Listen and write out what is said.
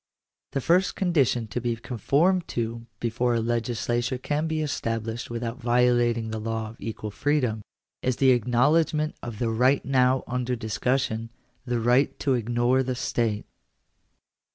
The first condition to be conformed to before a legislature can be established without violating the law of equal freedom, is the acknowledgment of the right now under discussion — the right to ignore the state *.